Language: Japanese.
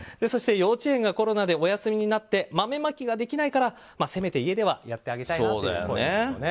そして幼稚園がコロナでお休みになって豆まきができないからせめて家ではやってあげたいという声です。